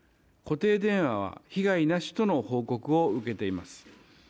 固定電話は被害なしとの報告を受けています。